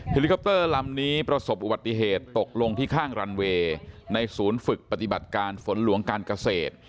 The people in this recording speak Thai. ลิคอปเตอร์ลำนี้ประสบอุบัติเหตุตกลงที่ข้างรันเวย์ในศูนย์ฝึกปฏิบัติการฝนหลวงการเกษตร